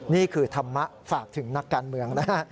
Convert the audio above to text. นี่คือธรรมะฝากถึงนักการเมืองนะฮะ